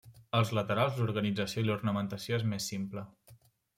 Als laterals l'organització i l'ornamentació és més simple.